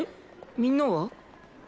みんなは？